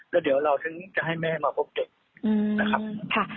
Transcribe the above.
แล้วเดี๋ยวเราถึงจะให้แม่มาพบเด็กนะครับ